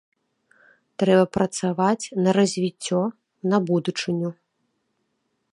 Трэба працаваць на развіццё, на будучыню.